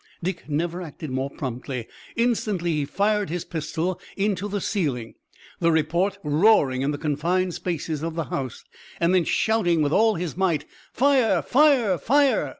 Dick never acted more promptly. Instantly he fired his pistol into the ceiling, the report roaring in the confined spaces of the house, and then shouting with all his might: "Fire! Fire! Fire!"